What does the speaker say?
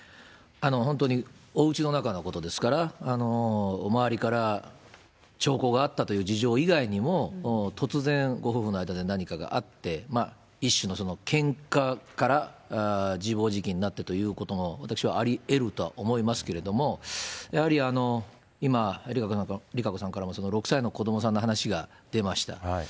本当におうちの中のことですから、周りから兆候があったという事情以外にも、突然、ご夫婦の間で何かがあって、一種のけんかから自暴自棄になってということも、私はありえるとは思いますけれども、やはり今、ＲＩＫＡＣＯさんからもその６歳の子どもさんの話が出ました。